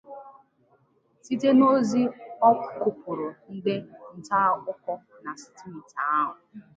site n'ozi ọ kụpụụrụ ndị ntaakụkọ na steeti ahụ.